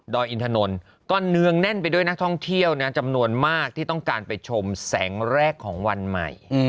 อินถนนก็เนืองแน่นไปด้วยนักท่องเที่ยวนะจำนวนมากที่ต้องการไปชมแสงแรกของวันใหม่